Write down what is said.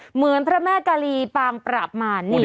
เหมือนพระแม่กาลีปางปราบมาร